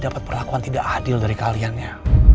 dapat perlakuan tidak adil dari kalian ya